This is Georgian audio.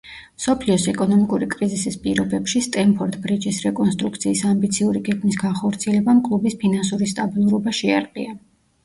მსოფლიოს ეკონომიკური კრიზისის პირობებში სტემფორდ ბრიჯის რეკონსტრუქციის ამბიციური გეგმის განხორციელებამ კლუბის ფინანსური სტაბილურობა შეარყია.